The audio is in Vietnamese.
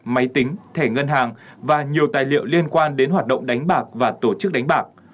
máy tính thẻ ngân hàng và nhiều tài liệu liên quan đến hoạt động đánh bạc và tổ chức đánh bạc